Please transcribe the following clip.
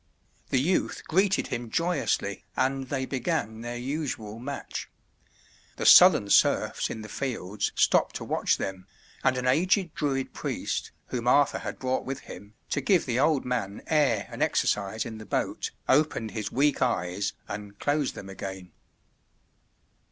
The youth greeted him joyously, and they began their usual match. The sullen serfs in the fields stopped to watch them, and an aged Druid priest, whom Arthur had brought with him, to give the old man air and exercise in the boat, opened his weak eyes and closed them again.